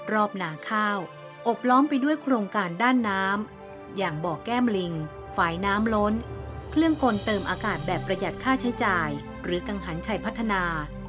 หนาข้าวอบล้อมไปด้วยโครงการด้านน้ำอย่างบ่อแก้มลิงฝ่ายน้ำล้นเครื่องกลเติมอากาศแบบประหยัดค่าใช้จ่ายหรือกังหันชัยพัฒนา